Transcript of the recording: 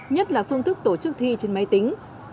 nhất là phương thức tổ chức thi trên máy tính